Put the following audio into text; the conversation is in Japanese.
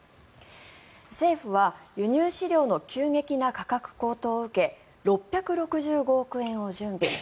政府は輸入飼料の急激な価格高騰を受け６６５億円を準備。